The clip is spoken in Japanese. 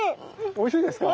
おいしいですか？